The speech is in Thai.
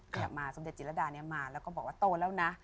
มาสมเด็จจิรดานี้มาแล้วก็บอกว่าโตแล้วนะ